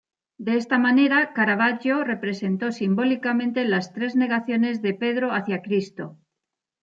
De esta manera, Caravaggio representó simbólicamente las tres negaciones de Pedro hacia Cristo.